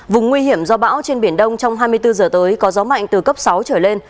vùng nguy hiểm do bão trên biển đông trong hai mươi bốn giờ tới có gió mạnh từ cấp sáu trở lên